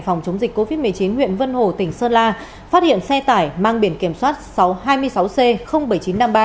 phòng chống dịch covid một mươi chín huyện vân hồ tỉnh sơn la phát hiện xe tải mang biển kiểm soát sáu trăm hai mươi sáu c bảy nghìn chín trăm năm mươi ba